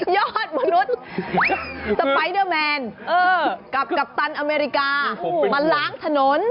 ยอดมนุษย์สไปเดอร์แมนกับกัปตันอเมริกามาล้างถนน